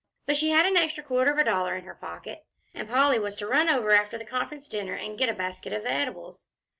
But she had an extra quarter of a dollar in her pocket, and Polly was to run over after the Conference dinner and get a basket of the eatables.